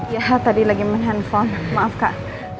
ya tadi lagi main handphone maaf kak